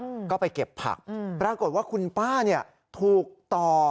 อืมก็ไปเก็บผักอืมปรากฏว่าคุณป้าเนี้ยถูกต่อ